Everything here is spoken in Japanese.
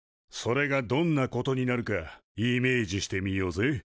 それがどんなことになるかイメージしてみようぜ。